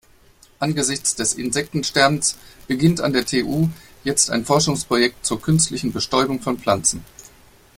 Angesichts des Insektensterbens beginnt an der TU jetzt ein Forschungsprojekt zur künstlichen Bestäubung von Pflanzen.